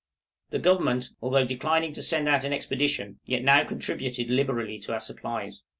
The Government, although declining to send out an expedition, yet now contributed liberally to our supplies.